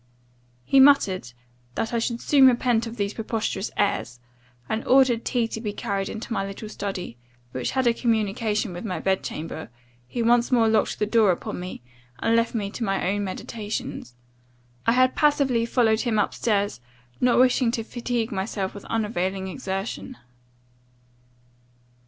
"He muttered, 'that I should soon repent of these preposterous airs;' and, ordering tea to be carried into my little study, which had a communication with my bed chamber, he once more locked the door upon me, and left me to my own meditations. I had passively followed him up stairs, not wishing to fatigue myself with unavailing exertion.